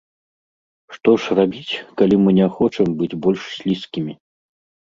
Што ж рабіць, калі мы не хочам быць больш слізкімі?